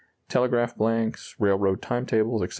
Telegraph blanks, railroad time tables, etc.